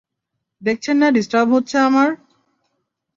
দেখছেন না ডিস্টার্ব হচ্ছে আমার।